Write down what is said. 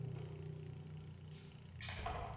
Las colas son las entidades que reciben mensajes.